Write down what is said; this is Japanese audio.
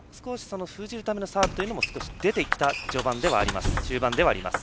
封じるためのサーブというのも少し出てきた中盤ではあります。